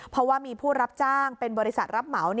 เพราะว่ามีผู้รับจ้างเป็นบริษัทรับเหมา